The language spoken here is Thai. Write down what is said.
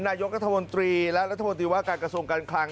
นายกรัฐมนตรีและรัฐมนตรีว่าการกระทรวงการคลัง